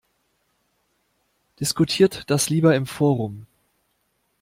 Diskutiert das lieber im Forum!